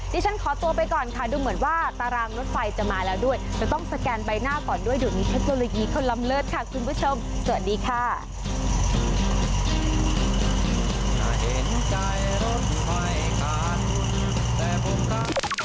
ฉันขอตัวไปก่อนค่ะดูเหมือนว่าตารางรถไฟจะมาแล้วด้วยจะต้องสแกนใบหน้าก่อนด้วยเดี๋ยวมีเทคโนโลยีเขาล้ำเลิศค่ะคุณผู้ชมสวัสดีค่ะ